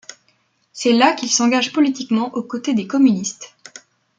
C’est là qu’il s'engage politiquement aux côtés des communistes.